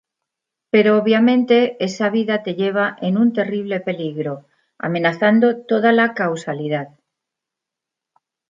Pero obviamente esa vida te lleva en un terrible peligro, amenazando toda la causalidad.